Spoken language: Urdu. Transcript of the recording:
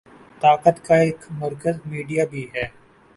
طاقت کا ایک مرکز میڈیا بھی ہے۔